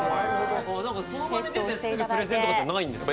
その場に出て、すぐプレゼンとかじゃないんですね。